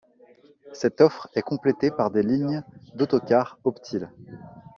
Cette offre est complétée par des lignes d'autocars Optile.